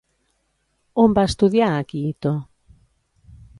On va estudiar Akihito?